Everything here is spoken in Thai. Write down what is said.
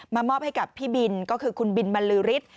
มามอบให้กับพี่บินก็คือคุณบินมะลือริศ